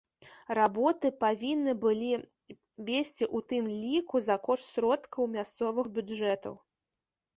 Работы павінны былі весці у тым ліку за кошт сродкаў мясцовых бюджэтаў.